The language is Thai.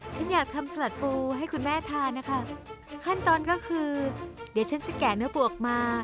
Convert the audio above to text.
ฉันอยากทำสลัดปูให้คุณแม่ทานนะคะขั้นตอนก็คือเดี๋ยวฉันจะแกะเนื้อบวกมา